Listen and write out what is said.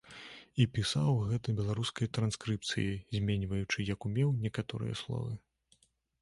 І пісаў гэта беларускай транскрыпцыяй, зменьваючы, як умеў, некаторыя словы.